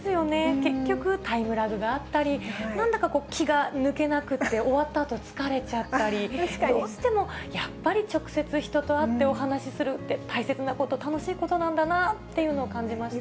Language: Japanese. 結局、タイムラグがあったり、なんだか気が抜けなくって、終わったあと、疲れちゃったり、どうしてもやっぱり直接人と会ってお話しするって、大切なこと、楽しいことなんだなということを感じました。